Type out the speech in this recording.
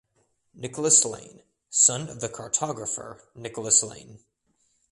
Nicholas Lane (son of the cartographer Nicholas Lane).